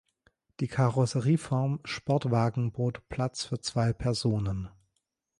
Die Karosserieform Sportwagen bot Platz für zwei Personen.